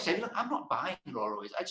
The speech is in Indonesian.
saya bilang saya tidak membeli rolls royce